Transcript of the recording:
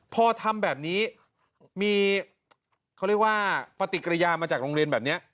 พอทำแบบนี้มีปฏิกิริยามาจากโรงเรียนแบบนี้